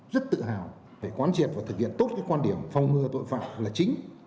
rất tự hào phải quán triệt và thực hiện tốt cái quan điểm phong ngừa tội phạm là chính